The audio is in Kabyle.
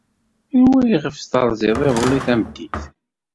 Anwa ayɣef terziḍ iḍelli tameddit?